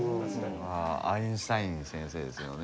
アインシュタイン先生ですよね。